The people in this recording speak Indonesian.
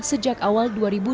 sejak awal dua ribu dua puluh